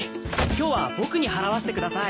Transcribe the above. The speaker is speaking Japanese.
今日は僕に払わせてください。